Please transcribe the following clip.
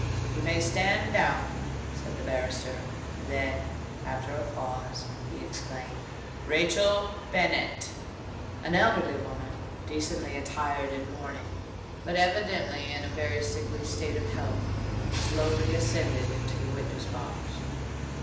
"You may stand down," said the barrister: then, after a pause, he exclaimed, "Rachel Bennet!" An elderly woman, decently attired in mourning, but evidently in a very sickly state of health, slowly ascended into the witness box.